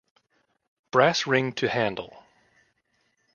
Brass ring to handle.